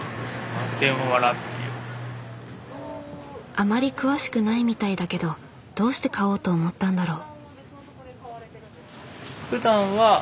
あまり詳しくないみたいだけどどうして買おうと思ったんだろう。